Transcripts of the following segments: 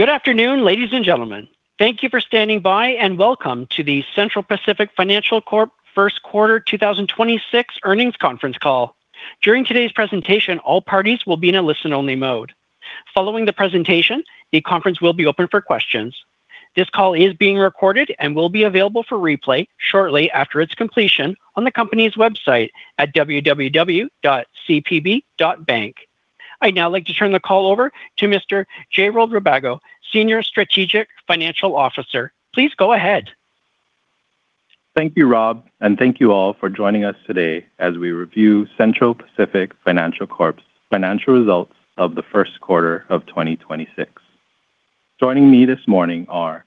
Good afternoon, ladies and gentlemen. Thank you for standing by, and welcome to the Central Pacific Financial Corp First Quarter 2026 Earnings Conference Call. During today's presentation, all parties will be in a listen-only mode. Following the presentation, the conference will be open for questions. This call is being recorded and will be available for replay shortly after its completion on the company's website at www.cpb.bank. I'd now like to turn the call over to Mr. Jayrald Rabago, Senior Strategic Financial Officer. Please go ahead. Thank you, Rob, and thank you all for joining us today as we review Central Pacific Financial Corp's financial results of the first quarter of 2026. Joining me this morning are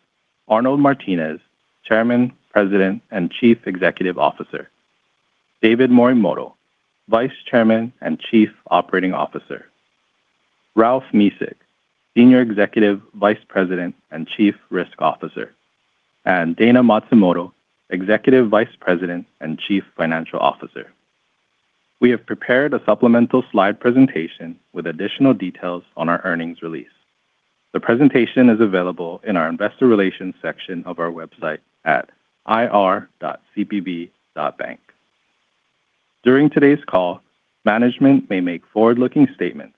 Arnold Martines, Chairman, President, and Chief Executive Officer. David Morimoto, Vice Chairman and Chief Operating Officer. Ralph Mesick, Senior Executive Vice President and Chief Risk Officer. Dayna Matsumoto, Executive Vice President and Chief Financial Officer. We have prepared a supplemental slide presentation with additional details on our earnings release. The presentation is available in our Investor Relations section of our website at ir.cpb.bank. During today's call, management may make forward-looking statements.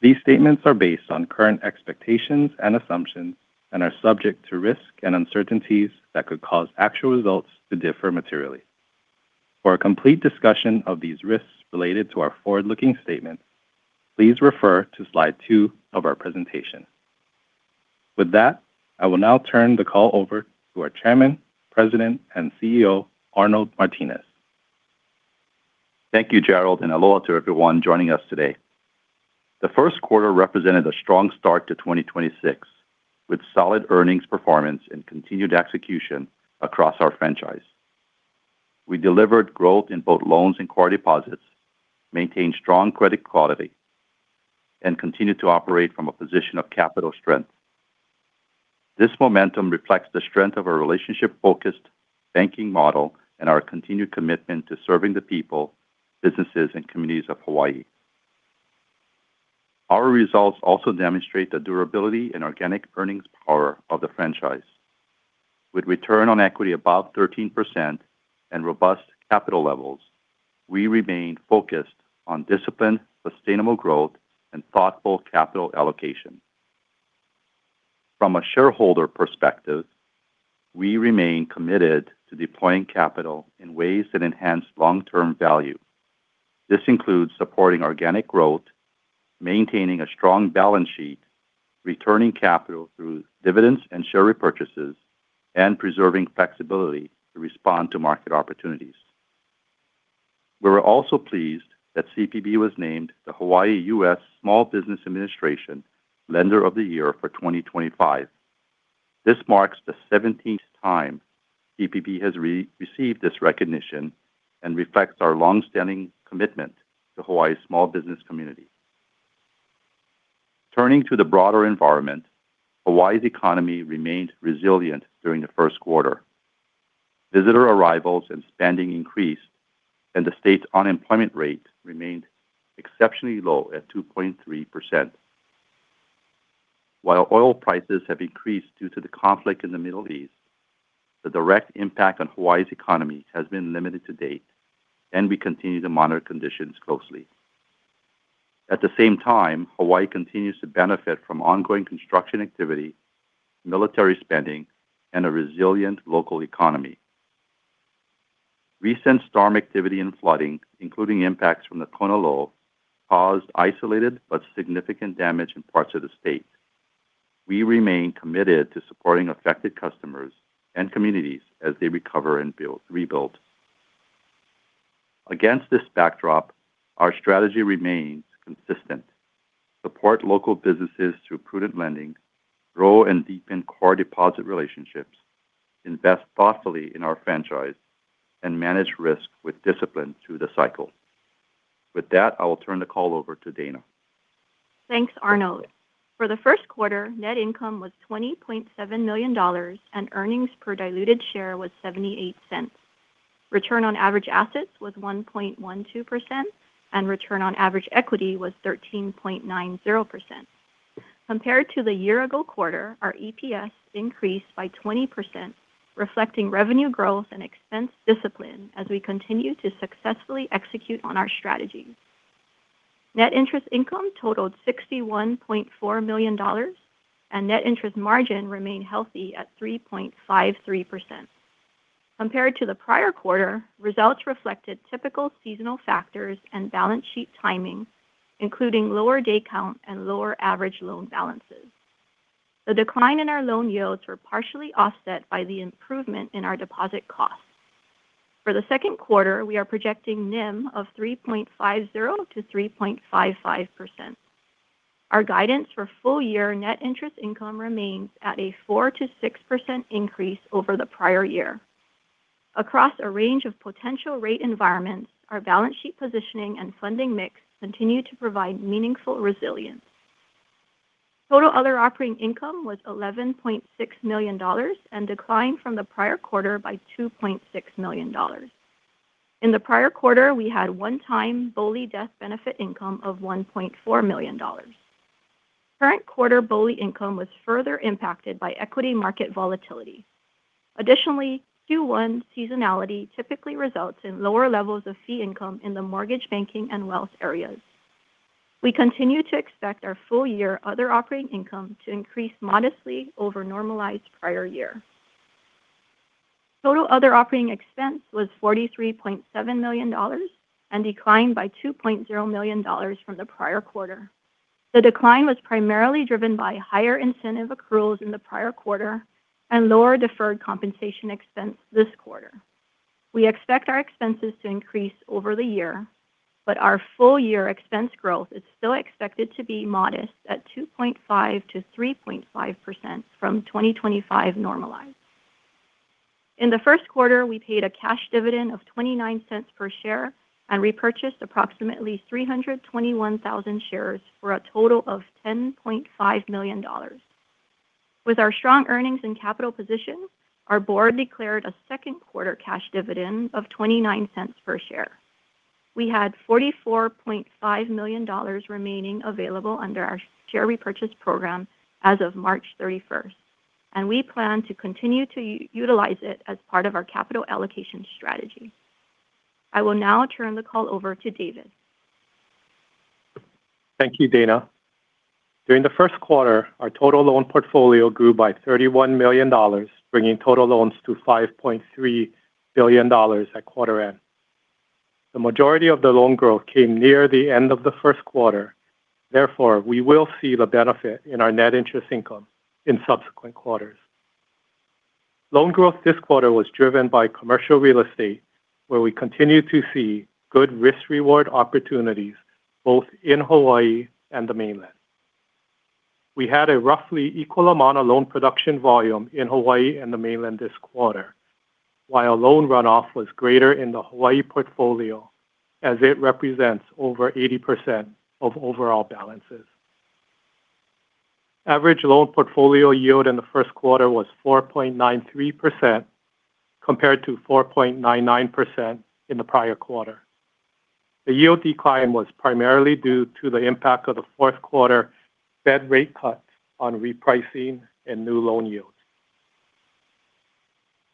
These statements are based on current expectations and assumptions and are subject to risk and uncertainties that could cause actual results to differ materially. For a complete discussion of these risks related to our forward-looking statement, please refer to slide two of our presentation. With that, I will now turn the call over to our Chairman, President, and CEO, Arnold Martines. Thank you, Jayrald, and aloha to everyone joining us today. The first quarter represented a strong start to 2026, with solid earnings performance and continued execution across our franchise. We delivered growth in both loans and core deposits, maintained strong credit quality, and continued to operate from a position of capital strength. This momentum reflects the strength of our relationship-focused banking model and our continued commitment to serving the people, businesses, and communities of Hawaii. Our results also demonstrate the durability and organic earnings power of the franchise. With return on equity above 13% and robust capital levels, we remain focused on disciplined, sustainable growth and thoughtful capital allocation. From a shareholder perspective, we remain committed to deploying capital in ways that enhance long-term value. This includes supporting organic growth, maintaining a strong balance sheet, returning capital through dividends and share repurchases, and preserving flexibility to respond to market opportunities. We were also pleased that CPB was named the Hawaii U.S. Small Business Administration Lender of the Year for 2025. This marks the 17th time CPB has received this recognition and reflects our longstanding commitment to Hawaii's small business community. Turning to the broader environment, Hawaii's economy remained resilient during the first quarter. Visitor arrivals and spending increased, and the state's unemployment rate remained exceptionally low at 2.3%. While oil prices have increased due to the conflict in the Middle East, the direct impact on Hawaii's economy has been limited to date, and we continue to monitor conditions closely. At the same time, Hawaii continues to benefit from ongoing construction activity, military spending, and a resilient local economy. Recent storm activity and flooding, including impacts from the Kona low, caused isolated but significant damage in parts of the state. We remain committed to supporting affected customers and communities as they recover and rebuild. Against this backdrop, our strategy remains consistent. Support local businesses through prudent lending, grow and deepen core deposit relationships, invest thoughtfully in our franchise, and manage risk with discipline through the cycle. With that, I will turn the call over to Dayna. Thanks, Arnold. For the first quarter, net income was $20.7 million and earnings per diluted share was $0.78. Return on average assets was 1.12%, and return on average equity was 13.90%. Compared to the year-ago quarter, our EPS increased by 20%, reflecting revenue growth and expense discipline as we continue to successfully execute on our strategy. Net interest income totaled $61.4 million, and net interest margin remained healthy at 3.53%. Compared to the prior quarter, results reflected typical seasonal factors and balance sheet timing, including lower day count and lower average loan balances. The decline in our loan yields were partially offset by the improvement in our deposit costs. For the second quarter, we are projecting NIM of 3.50%-3.55%. Our guidance for full year net interest income remains at a 4%-6% increase over the prior year. Across a range of potential rate environments, our balance sheet positioning and funding mix continue to provide meaningful resilience. Total other operating income was $11.6 million and declined from the prior quarter by $2.6 million. In the prior quarter, we had one-time BOLI death benefit income of $1.4 million. Current quarter BOLI income was further impacted by equity market volatility. Additionally, Q1 seasonality typically results in lower levels of fee income in the mortgage banking and wealth areas. We continue to expect our full year other operating income to increase modestly over normalized prior year. Total other operating expense was $43.7 million and declined by $2.0 million from the prior quarter. The decline was primarily driven by higher incentive accruals in the prior quarter and lower deferred compensation expense this quarter. We expect our expenses to increase over the year, but our full year expense growth is still expected to be modest at 2.5%-3.5% from 2025 normalized. In the first quarter, we paid a cash dividend of $0.29 per share and repurchased approximately 321,000 shares for a total of $10.5 million. With our strong earnings and capital position, our board declared a second quarter cash dividend of $0.29 per share. We had $44.5 million remaining available under our share repurchase program as of March 31st, and we plan to continue to utilize it as part of our capital allocation strategy. I will now turn the call over to David. Thank you, Dayna. During the first quarter, our total loan portfolio grew by $31 million, bringing total loans to $5.3 billion at quarter end. We will see the benefit in our net interest income in subsequent quarters. Loan growth this quarter was driven by commercial real estate, where we continue to see good risk reward opportunities both in Hawaii and the mainland. We had a roughly equal amount of loan production volume in Hawaii and the mainland this quarter, while loan runoff was greater in the Hawaii portfolio, as it represents over 80% of overall balances. Average loan portfolio yield in the first quarter was 4.93%, compared to 4.99% in the prior quarter. The yield decline was primarily due to the impact of the fourth quarter Fed rate cuts on repricing and new loan yields.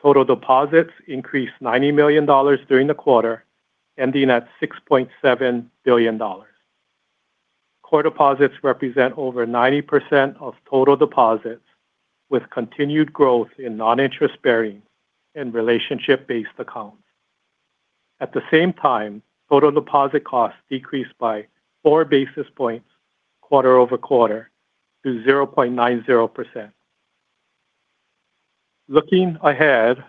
Total deposits increased $90 million during the quarter, ending at $6.7 billion. Core deposits represent over 90% of total deposits, with continued growth in non-interest bearing and relationship-based accounts. At the same time, total deposit costs decreased by 4 basis points QoQ to 0.90%. Looking ahead,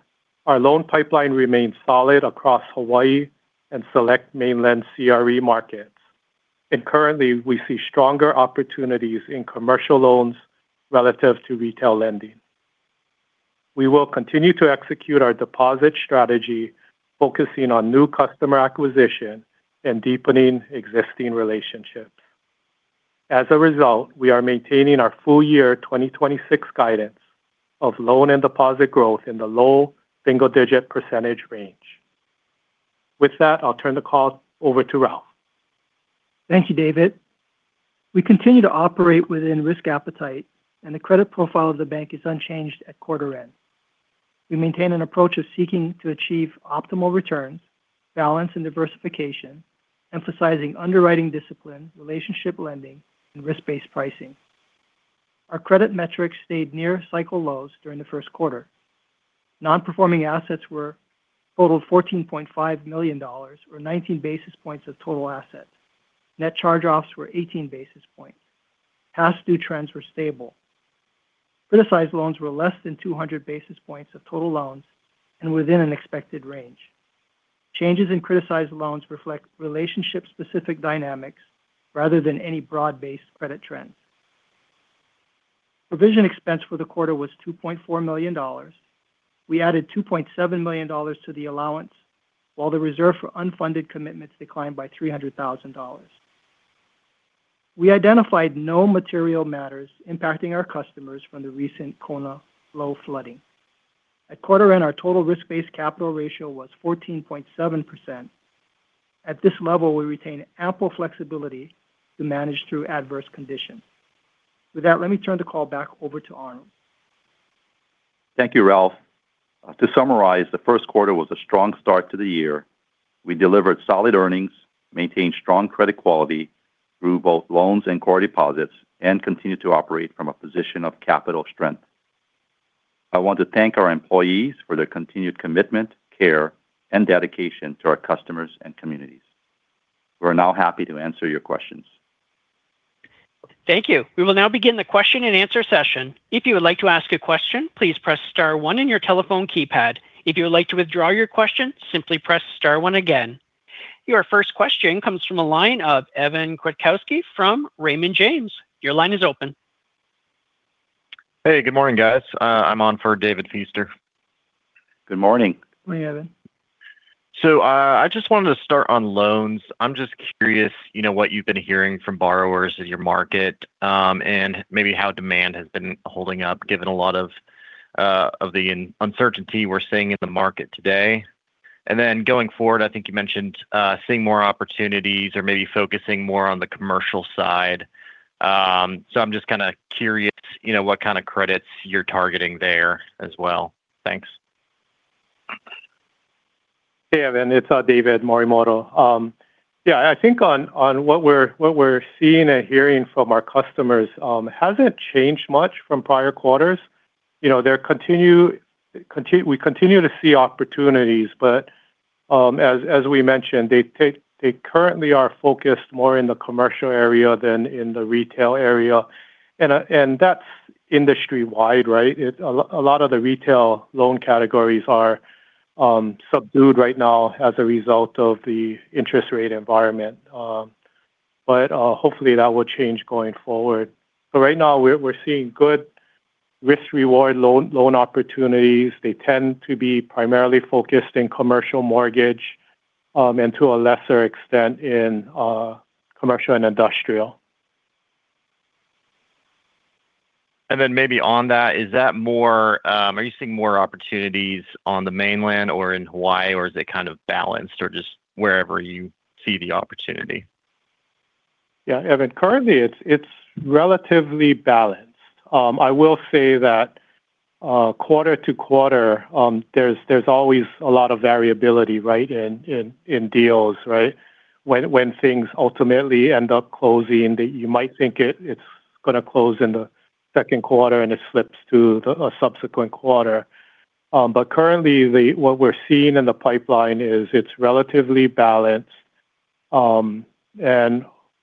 our loan pipeline remains solid across Hawaii and select mainland CRE markets. Currently, we see stronger opportunities in commercial loans relative to retail lending. We will continue to execute our deposit strategy, focusing on new customer acquisition and deepening existing relationships. As a result, we are maintaining our full year 2026 guidance of loan and deposit growth in the low single-digit percentage range. With that, I'll turn the call over to Ralph. Thank you, David. We continue to operate within risk appetite, and the credit profile of the bank is unchanged at quarter end. We maintain an approach of seeking to achieve optimal returns, balance, and diversification, emphasizing underwriting discipline, relationship lending, and risk-based pricing. Our credit metrics stayed near cycle lows during the first quarter. Non-performing assets were totaled $14.5 million, or 19 basis points of total assets. Net charge-offs were 18 basis points. Past due trends were stable. Criticized loans were less than 200 basis points of total loans and within an expected range. Changes in criticized loans reflect relationship-specific dynamics rather than any broad-based credit trends. Provision expense for the quarter was $2.4 million. We added $2.7 million to the allowance, while the reserve for unfunded commitments declined by $300,000. We identified no material matters impacting our customers from the recent Kona low flooding. At quarter end, our total risk-based capital ratio was 14.7%. At this level, we retain ample flexibility to manage through adverse conditions. With that, let me turn the call back over to Arnold. Thank you, Ralph. To summarize, the first quarter was a strong start to the year. We delivered solid earnings, maintained strong credit quality through both loans and core deposits, and continued to operate from a position of capital strength. I want to thank our employees for their continued commitment, care, and dedication to our customers and communities. We're now happy to answer your questions. Thank you. We will now begin the question and answer session. If you would like to ask a question, please press star one on your telephone keypad. If you would like to withdraw your question, simply press star one again. Your first question comes from the line of Evan Kwiatkowski from Raymond James. Your line is open. Hey, good morning, guys. I'm on for David Feaster. Good morning. Morning, Evan. I just wanted to start on loans. I'm just curious, you know, what you've been hearing from borrowers in your market, and maybe how demand has been holding up given a lot of the uncertainty we're seeing in the market today. Going forward, I think you mentioned, seeing more opportunities or maybe focusing more on the commercial side. I'm just kind of curious, you know, what kind of credits you're targeting there as well. Thanks. Hey, Evan, it's David Morimoto. Yeah, I think on what we're, what we're seeing and hearing from our customers, hasn't changed much from prior quarters. You know, there we continue to see opportunities, but as we mentioned, they currently are focused more in the commercial area than in the retail area. That's industry-wide, right? A lot of the retail loan categories are subdued right now as a result of the interest rate environment. Hopefully that will change going forward. Right now we're seeing good risk-reward loan opportunities. They tend to be primarily focused in commercial mortgage, and to a lesser extent in commercial and industrial. Maybe on that, is that more, are you seeing more opportunities on the Mainland or in Hawaii, or is it kind of balanced or just wherever you see the opportunity? Yeah, Evan, currently it's relatively balanced. I will say that quarter to quarter, there's always a lot of variability, right, in deals, right? When things ultimately end up closing that you might think it's gonna close in the second quarter and it slips to a subsequent quarter. Currently, what we're seeing in the pipeline is it's relatively balanced. We're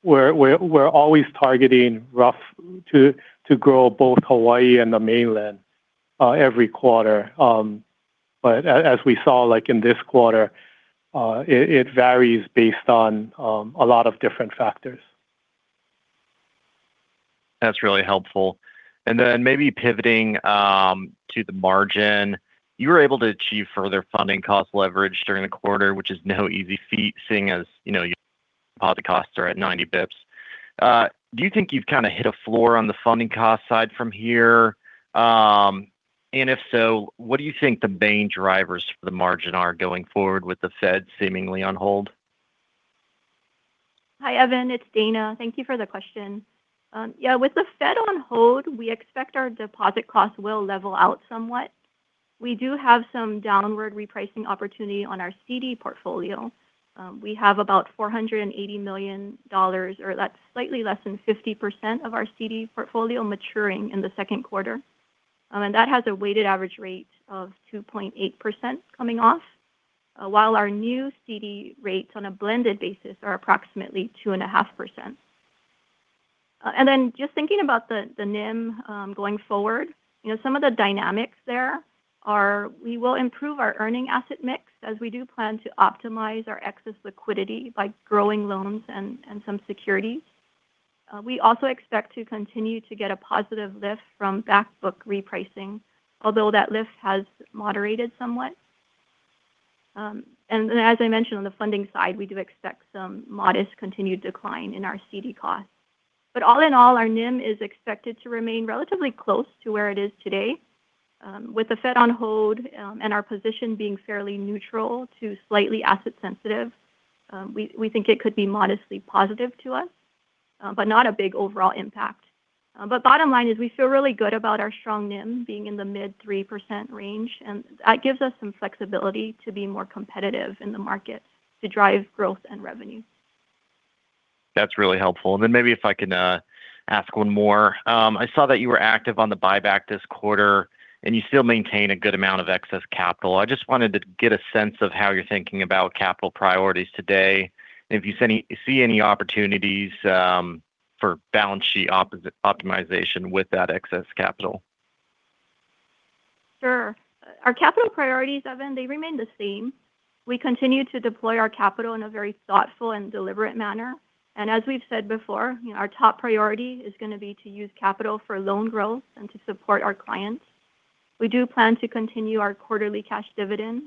always targeting rough to grow both Hawaii and the mainland every quarter. As we saw, like, in this quarter, it varies based on a lot of different factors. That's really helpful. Maybe pivoting to the margin. You were able to achieve further funding cost leverage during the quarter, which is no easy feat, seeing as, you know, your deposit costs are at 90 basis points. Do you think you've kind of hit a floor on the funding cost side from here? If so, what do you think the main drivers for the margin are going forward with the Fed seemingly on hold? Hi, Evan, it's Dayna. Thank you for the question. Yeah, with the Fed on hold, we expect our deposit costs will level out somewhat. We do have some downward repricing opportunity on our CD portfolio. We have about $480 million, or that's slightly less than 50% of our CD portfolio maturing in the second quarter. That has a weighted average rate of 2.8% coming off, while our new CD rates on a blended basis are approximately 2.5%. Then just thinking about the NIM, going forward, you know, some of the dynamics there are we will improve our earning asset mix as we do plan to optimize our excess liquidity by growing loans and some securities. We also expect to continue to get a positive lift from back book repricing, although that lift has moderated somewhat. As I mentioned on the funding side, we do expect some modest continued decline in our CD costs. All in all, our NIM is expected to remain relatively close to where it is today. With the Fed on hold, our position being fairly neutral to slightly asset sensitive, we think it could be modestly positive to us, but not a big overall impact. Bottom line is we feel really good about our strong NIM being in the mid 3% range, and that gives us some flexibility to be more competitive in the market to drive growth and revenue. That's really helpful. Maybe if I can ask one more? I saw that you were active on the buyback this quarter, and you still maintain a good amount of excess capital. I just wanted to get a sense of how you're thinking about capital priorities today, and if you see any opportunities for balance sheet optimization with that excess capital. Sure. Our capital priorities, Evan, they remain the same. We continue to deploy our capital in a very thoughtful and deliberate manner. As we've said before, you know, our top priority is gonna be to use capital for loan growth and to support our clients. We do plan to continue our quarterly cash dividend.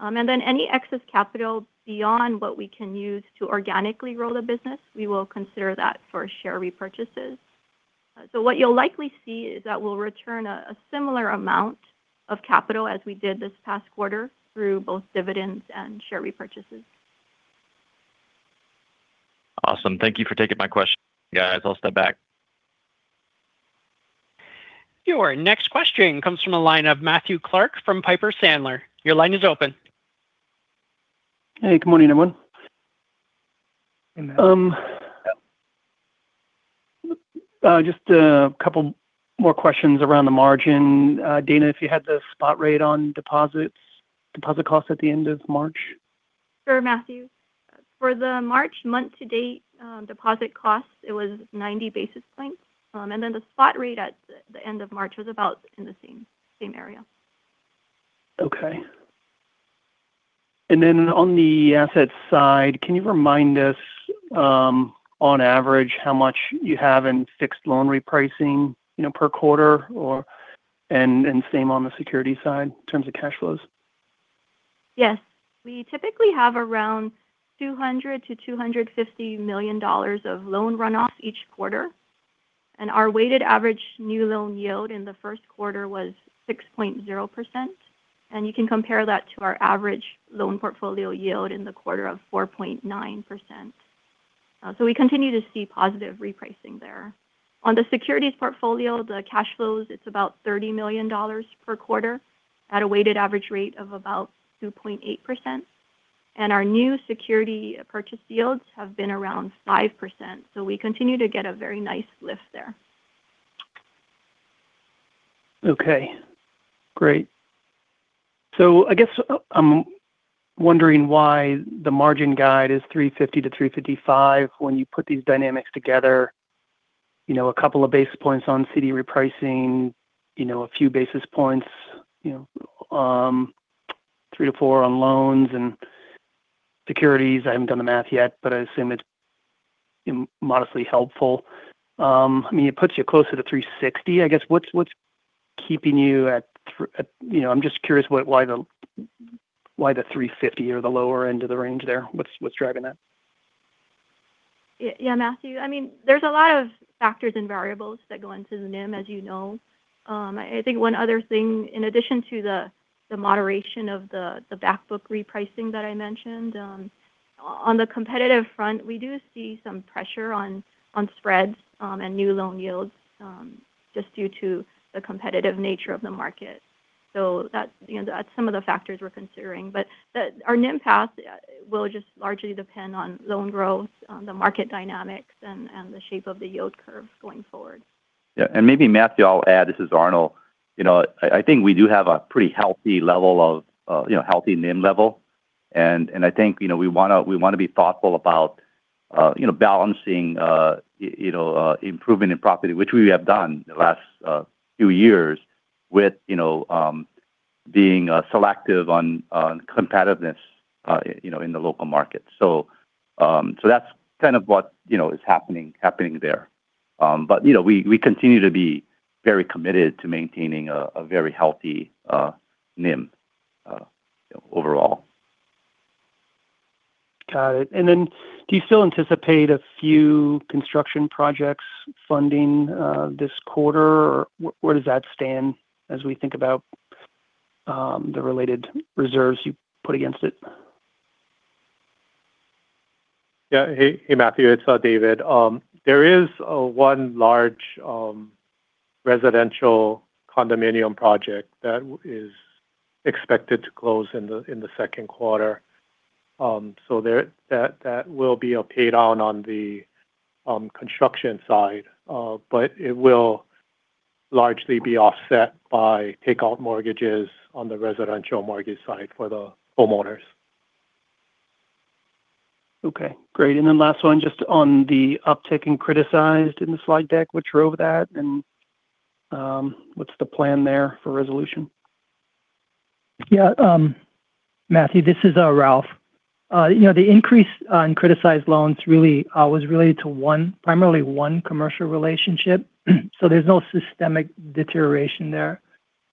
Any excess capital beyond what we can use to organically grow the business, we will consider that for share repurchases. What you'll likely see is that we'll return a similar amount of capital as we did this past quarter through both dividends and share repurchases. Awesome. Thank you for taking my question. Guys, I'll step back. Your next question comes from the line of Matthew Clark from Piper Sandler. Your line is open. Hey, good morning, everyone. Hey, Matt. Just a couple more questions around the margin. Dayna, if you had the spot rate on deposits, deposit costs at the end of March? Sure, Matthew. For the March month to date, deposit costs, it was 90 basis points. The spot rate at the end of March was about in the same area. Okay. On the asset side, can you remind us, on average, how much you have in fixed loan repricing, you know, per quarter and same on the security side in terms of cash flows? Yes. We typically have around $200 million-$250 million of loan runoff each quarter. Our weighted average new loan yield in the first quarter was 6.0%, and you can compare that to our average loan portfolio yield in the quarter of 4.9%. We continue to see positive repricing there. On the securities portfolio, the cash flows, it's about $30 million per quarter at a weighted average rate of about 2.8%. Our new security purchase yields have been around 5%, we continue to get a very nice lift there. Okay, great. I guess I'm wondering why the margin guide is 350-355 when you put these dynamics together. You know, a couple of basis points on CD repricing, you know, a few basis points, you know, three to four on loans and securities. I haven't done the math yet, but I assume it's modestly helpful. I mean, it puts you closer to 360. I guess what's keeping you at, you know, I'm just curious what, why the, why the 350 or the lower end of the range there. What's, what's driving that? Yeah, Matthew, I mean, there's a lot of factors and variables that go into the NIM, as you know. I think one other thing, in addition to the moderation of the back book repricing that I mentioned, on the competitive front, we do see some pressure on spreads and new loan yields just due to the competitive nature of the market. That, you know, that's some of the factors we're considering. Our NIM path will just largely depend on loan growth, the market dynamics and the shape of the yield curve going forward. Yeah. Maybe Matthew I'll add, this is Arnold. You know, I think we do have a pretty healthy level of, you know, healthy NIM level. I think, you know, we wanna be thoughtful about, you know, improvement in property, which we have done the last few years with, you know, being selective on competitiveness, you know, in the local market. That's kind of what, you know, is happening there. You know, we continue to be very committed to maintaining a very healthy NIM overall. Got it. Do you still anticipate a few construction projects funding, this quarter? Where does that stand as we think about the related reserves you put against it? Yeah. Hey, hey Matthew, it's David. There is one large residential condominium project that is expected to close in the second quarter. There, that will be a pay down on the construction side. It will largely be offset by takeout mortgages on the residential mortgage side for the homeowners. Okay, great. Last one, just on the uptick in criticized in the slide deck, what drove that, and what's the plan there for resolution? Yeah, Matthew, this is Ralph. You know, the increase on criticized loans really was related to one, primarily one commercial relationship, so there's no systemic deterioration there.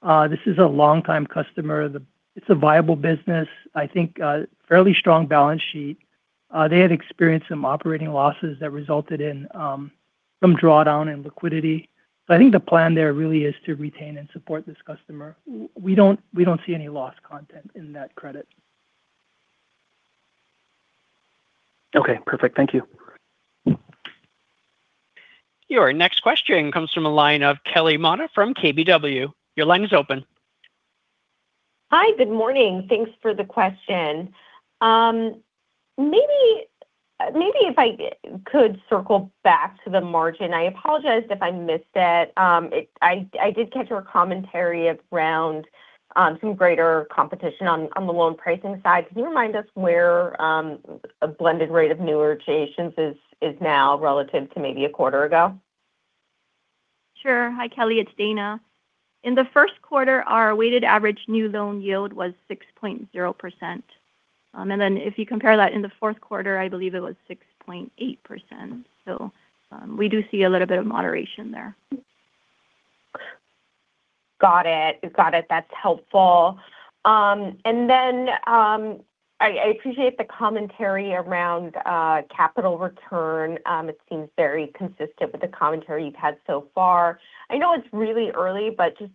This is a longtime customer. It's a viable business, I think, fairly strong balance sheet. They had experienced some operating losses that resulted in some drawdown in liquidity. I think the plan there really is to retain and support this customer. We don't see any loss content in that credit. Okay, perfect. Thank you. Your next question comes from the line of Kelly Motta from KBW. Your line is open. Hi, good morning. Thanks for the question. Maybe if I could circle back to the margin. I apologize if I missed it. I did catch your commentary around some greater competition on the loan pricing side. Can you remind us where a blended rate of newer origins is now relative to maybe a quarter ago? Sure. Hi, Kelly, it's Dayna. In the first quarter, our weighted average new loan yield was 6.0%. If you compare that in the fourth quarter, I believe it was 6.8%. We do see a little bit of moderation there. Got it. Got it. That's helpful. Then, I appreciate the commentary around capital return. It seems very consistent with the commentary you've had so far. I know it's really early, but just,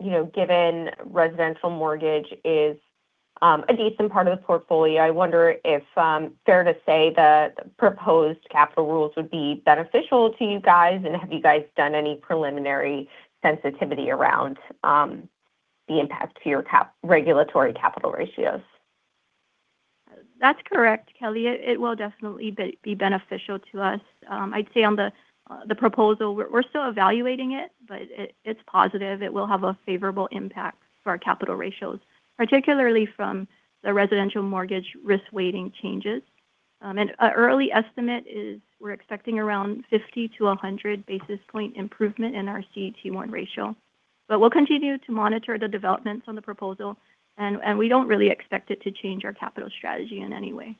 you know, given residential mortgage is a decent part of the portfolio, I wonder if fair to say the proposed capital rules would be beneficial to you guys. Have you guys done any preliminary sensitivity around the impact to your regulatory capital ratios? That's correct, Kelly. It will definitely be beneficial to us. I'd say on the proposal, we're still evaluating it, but it's positive. It will have a favorable impact for our capital ratios, particularly from the residential mortgage risk weighting changes. A early estimate is we're expecting around 50 basis points to 100 basis points improvement in our CET1 ratio. We'll continue to monitor the developments on the proposal and we don't really expect it to change our capital strategy in any way.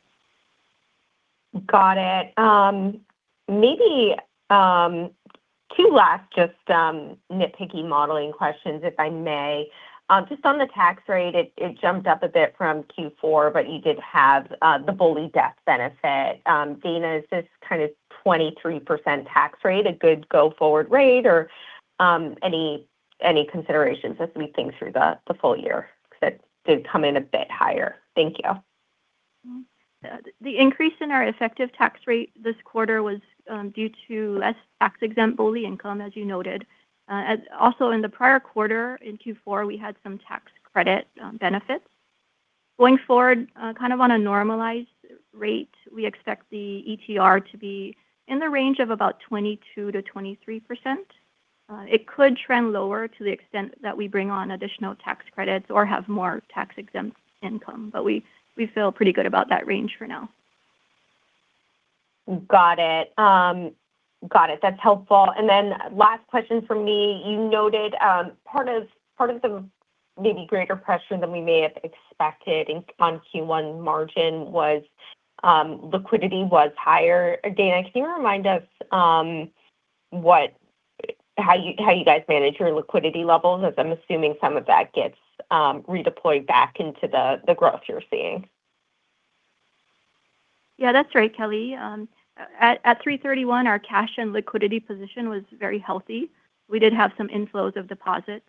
Got it. Maybe two last just nitpicky modeling questions, if I may. Just on the tax rate, it jumped up a bit from Q4, but you did have the BOLI debt benefit. Dayna, is this kind of 23% tax rate a good go-forward rate? Any considerations as we think through the full year, because it did come in a bit higher. Thank you. The increase in our effective tax rate this quarter was due to less tax-exemptable income, as you noted. Also in the prior quarter, in Q4, we had some tax credit benefits. Going forward, kind of on a normalized rate, we expect the ETR to be in the range of about 22%-23%. It could trend lower to the extent that we bring on additional tax credits or have more tax-exempt income. We feel pretty good about that range for now. Got it. Got it. That's helpful. Last question from me. You noted, part of the maybe greater pressure than we may have expected on Q1 margin was liquidity was higher. Dayna, can you remind us how you guys manage your liquidity levels, as I'm assuming some of that gets redeployed back into the growth you're seeing? Yeah, that's right, Kelly. At 3/31, our cash and liquidity position was very healthy. We did have some inflows of deposits.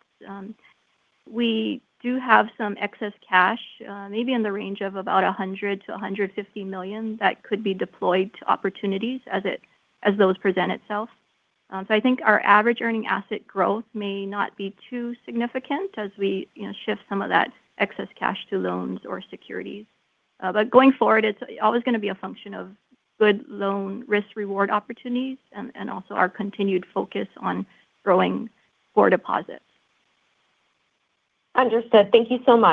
We do have some excess cash, maybe in the range of about $100 million-$150 million that could be deployed to opportunities as those present itself. I think our average earning asset growth may not be too significant as we, you know, shift some of that excess cash to loans or securities. Going forward, it's always gonna be a function of good loan risk-reward opportunities and also our continued focus on growing core deposits. Understood. Thank you so much.